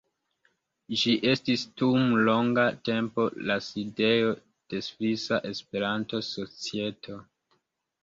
Ĝi estis dum longa tempo la sidejo de Svisa Esperanto-Societo.